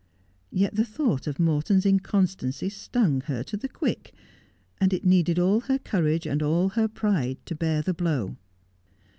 Yet the thought of Morton's inconstancy stung her to the quick, and it needed all her courage and all her pride to bear the blow.